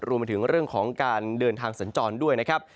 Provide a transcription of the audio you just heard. รวมไปถึงเรื่องของการเดินทางสัญจรด้วยนะครับ